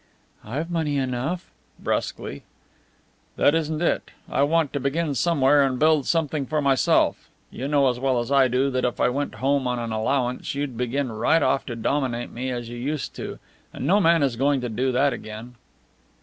"I've money enough" brusquely. "That isn't it. I want to begin somewhere and build something for myself. You know as well as I do that if I went home on an allowance you'd begin right off to dominate me as you used to, and no man is going to do that again."